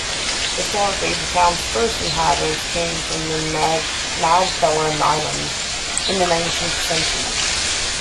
Historically, the town's first inhabitants came from the Magdalen Islands in the nineteenth century.